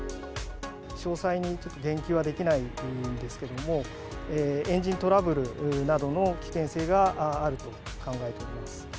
詳細にちょっと言及はできないんですけれども、エンジントラブルなどの危険性があると考えております。